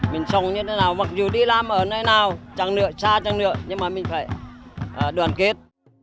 mình sống như thế nào mặc dù đi làm ở nơi nào chẳng nữa xa chẳng nữa nhưng mà mình phải đoàn kết